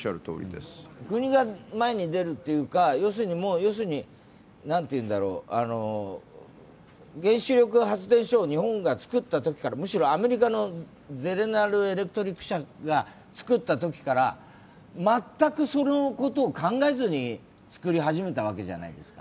国が前へ出るというか原子力発電を日本が作ったときから、むしろアメリカのゼネラルエレクトリック社が作ったときから全く考えずに作ったわけじゃないですか。